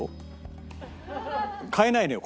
買えないのよ